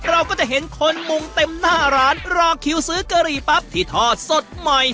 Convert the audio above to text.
เราก็จะเห็นคนมุงเต็มหน้าร้านรอคิวซื้อกะหรี่ปั๊บที่ทอดสดใหม่